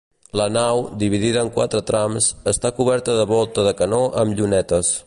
La nau, dividida en quatre trams, està coberta de volta de canó amb llunetes.